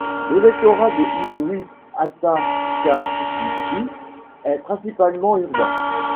L'électorat de Inuit Ataqatigiit est principalement urbain.